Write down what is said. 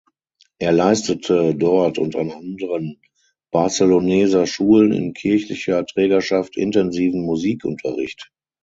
Er leistete dort und an anderen Barceloneser Schulen in kirchlicher Trägerschaft intensiven Musikunterricht.